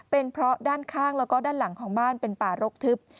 เป็นเพราะด้านข้างแล้วก็ด้านหลังของบ้านเป็นป่ารกทึบ